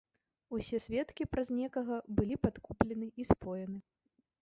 Усе сведкі праз некага былі падкуплены і споены.